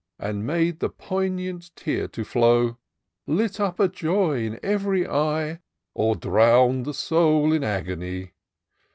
And made the poignant tear to flow ; Lit up a joy in ev'ry eye, Or drown'd the soid in agony.